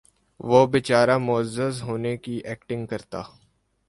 وہ بیچارہ معزز ہونے کی ایکٹنگ کرتا